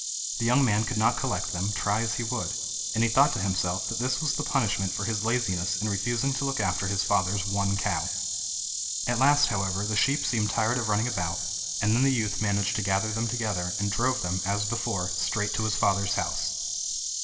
The young man could not collect them, try as he would, and he thought to himself that this was the punishment for his laziness in refusing to look after his father's one cow. At last, however, the sheep seemed tired of running about, and then the youth managed to gather them together, and drove them, as before, straight to his father's house.